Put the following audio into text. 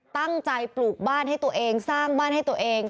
ปลูกบ้านให้ตัวเองสร้างบ้านให้ตัวเอง